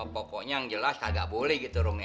pokoknya yang jelas enggak boleh gitu rum ya